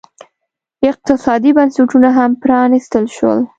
اقتصادي بنسټونه هم پرانیستي شول.